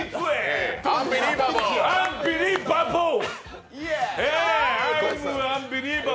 アンビリーバボー！